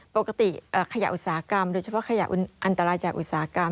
ปกติขยะอุตสาหกรรมโดยเฉพาะขยะอันตรายจากอุตสาหกรรม